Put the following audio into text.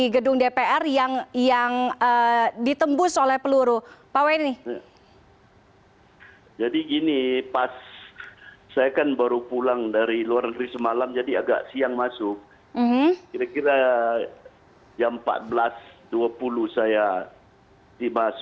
kedua anggota dpr tersebut juga tidak mengalami luka